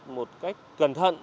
một cách cẩn thận